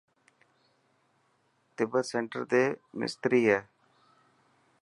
تبت سينٽر تي مستري هي.